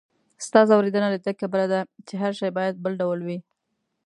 ستا ځوریدنه له دې کبله ده، چې هر شی باید بل ډول وي.